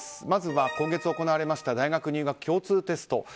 まずは今月行われました大学入学共通テスト。